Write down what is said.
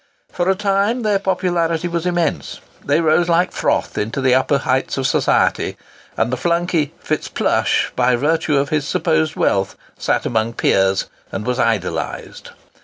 For a time their popularity was immense. They rose like froth into the upper heights of society, and the flunkey FitzPlushe, by virtue of his supposed wealth, sat amongst peers and was idolised.